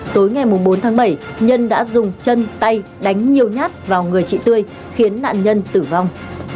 tối ngày bốn tháng bảy nhân đã dùng chân tay đánh nhiều nhát vào người chị tươi khiến nạn nhân tử vong